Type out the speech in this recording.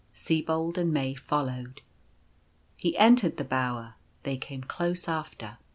Sibold and May followed. He entered the Bower ; they came close after.